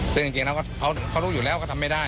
ซึ่งจริงแล้วเขารู้อยู่แล้วก็ทำไม่ได้